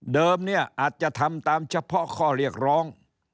เนี่ยอาจจะทำตามเฉพาะข้อเรียกร้อง